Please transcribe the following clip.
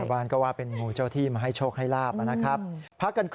บ้านก็ว่าเป็นงูเจ้าที่มาให้โชคให้ลาบนะครับ